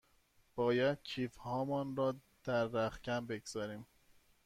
باید کیف هامان را در رختکن بگذاریم.